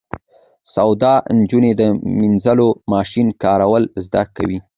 باسواده نجونې د مینځلو ماشین کارول زده کوي.